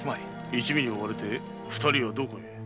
一味に追われて二人はどこへ？